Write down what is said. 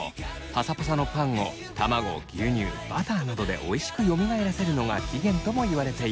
パサパサのパンを卵牛乳バターなどでおいしくよみがえらせるのが起源ともいわれています。